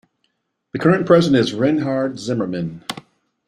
The current President is Reinhard Zimmermann.